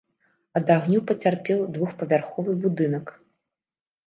Ад агню пацярпеў двухпавярховы будынак.